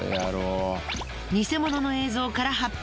偽物の映像から発表。